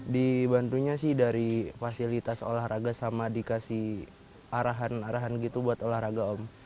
dibantunya sih dari fasilitas olahraga sama dikasih arahan arahan gitu buat olahraga om